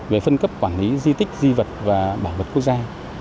về phân cấp quản lý di tích di vật và bảo vật quốc gia